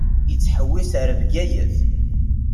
Yettḥewwis ar Bgayet.